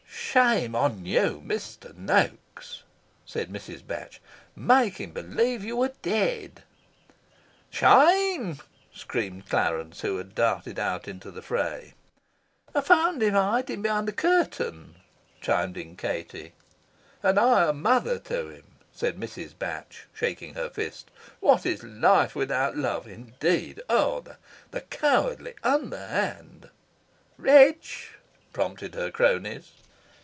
"Shame on you, Mr. Noaks," said Mrs. Batch, "making believe you were dead " "Shame!" screamed Clarence, who had darted out into the fray. "I found him hiding behind the curtain," chimed in Katie. "And I a mother to him!" said Mrs. Batch, shaking her fist. "'What is life without love?' indeed! Oh, the cowardly, underhand " "Wretch," prompted her cronies.